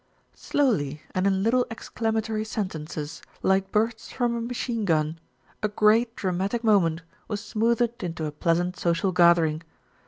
Slowly and in little exclamatory sentences, like bursts from a machine gun, a great dramatic moment was smoothed into a pleasant social gathering.